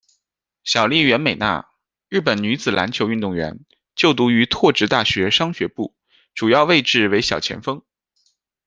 小笠原美奈，日本女子篮球运动员，就读于拓殖大学商学部，主要位置为小前锋。